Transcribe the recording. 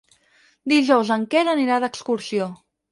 Dijous en Quer anirà d'excursió.